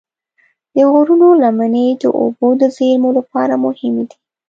د غرونو لمنې د اوبو د زیرمو لپاره مهمې دي.